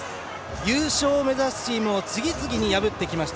優勝を目指すチームを次々に破ってきました。